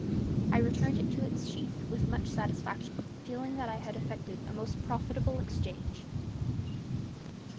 I returned it to its sheath with much satisfaction, feeling that I had effected a most profitable exchange.